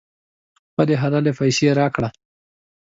خپلې حلالې پیسې راکړه.